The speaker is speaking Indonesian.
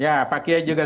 ya pak kiai juga